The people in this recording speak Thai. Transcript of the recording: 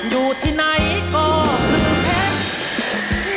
อยู่ที่ไหนกรอสึ่งเพจ